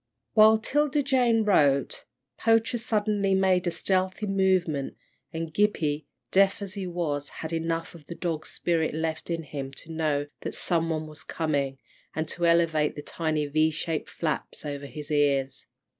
While 'Tilda Jane wrote, Poacher suddenly made a stealthy movement, and Gippie, deaf as he was, had enough of the dog spirit left in him to know that some one was coming, and to elevate the tiny V shaped flaps over his ears.